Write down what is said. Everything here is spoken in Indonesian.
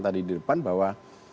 tadi di depan bahwa